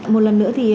một lần nữa thì